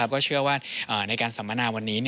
ก็เชื่อว่าในการสัมมนาวันนี้